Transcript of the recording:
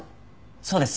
そうです。